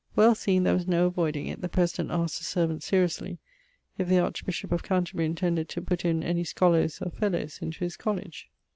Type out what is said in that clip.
Well, seing there was no avoyding it, the President asked the servant seriously, if the archbishop of Canterbury intended to putt in any scholars or fellowes into his College?